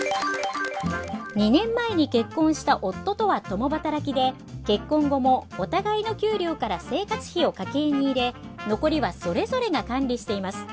２年前に結婚した夫とは共働きで結婚後もお互いの給料から生活費を家計に入れ残りはそれぞれが管理しています。